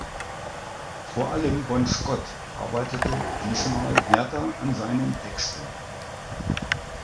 Vor allem Bon Scott arbeitete diesmal härter an seinen Texten.